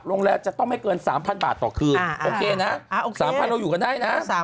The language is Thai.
จะต้องไม่เกิน๓๐๐บาทต่อคืนโอเคนะ๓๐๐เราอยู่กันได้นะ